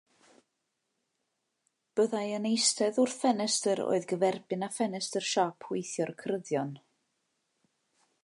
Byddai yn eistedd wrth ffenestr oedd gyferbyn â ffenestr siop weithio'r cryddion.